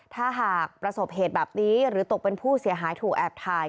ถ้าหากประสบเหตุแบบนี้หรือตกเป็นผู้เสียหายถูกแอบถ่าย